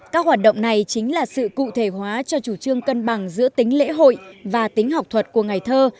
các hoạt động này chính là sự cụ thể hóa cho chủ trương cân bằng giữa tính lễ hội và tính học thuật của ngày thơ